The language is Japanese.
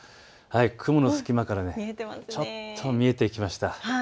雲の隙間からちょっと見えてきました。